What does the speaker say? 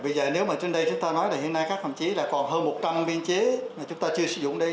bây giờ nếu mà trên đây chúng ta nói là hiện nay các đồng chí là còn hơn một trăm linh biên chế mà chúng ta chưa sử dụng đi